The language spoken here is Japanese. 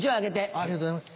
ありがとうございます。